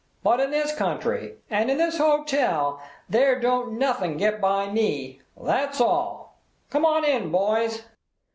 But in this country, and in this hotel there don't nothin' get by me. That's all. Come on in, boys."